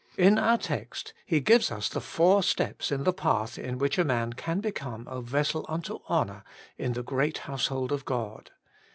In our text he gives us the four steps in the path in which a man can be come a vessel unto honour in the great household of God.